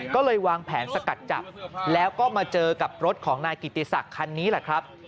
ก็เลยวางแผนสกัดจับแล้วก็มาเจอกับรถของนายกิติศักดิ์คันนี้แหละครับ